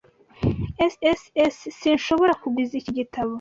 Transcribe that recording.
S S Sinshobora kuguriza iki gitabo.